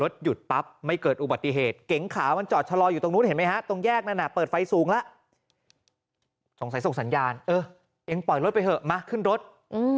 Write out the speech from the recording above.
สงสัยส่งสัญญาณเออเองปล่อยรถไปเถอะมาขึ้นรถ